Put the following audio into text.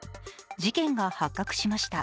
事件が発覚しました。